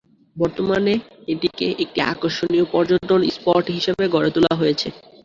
বর্তমানে এটিকে একটি আকর্ষণীয় পর্যটন স্পট হিসেবে গড়ে তোলা হয়েছে।